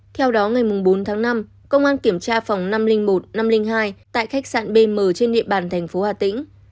theo đó ngày bốn tháng năm công an kiểm tra phòng năm trăm linh một năm trăm linh hai tại khách sạn bm trên địa bàn thành phố hà tĩnh